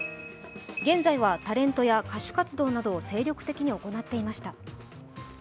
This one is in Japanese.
現在は、タレントや歌手活動などを精力的に行っていました。